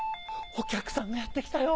お客さんがやって来たよ。